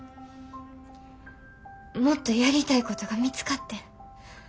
もっとやりたいことが見つかってん。